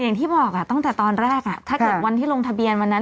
อย่างที่บอกตั้งแต่ตอนแรกถ้าเกิดวันที่ลงทะเบียนวันนั้น